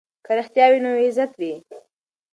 که رښتیا وي نو عزت وي.